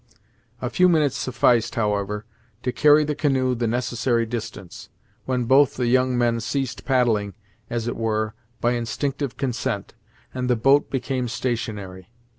A few minutes sufficed, however, to carry the canoe the necessary distance, when both the young men ceased paddling as it were by instinctive consent, and the boat became stationary.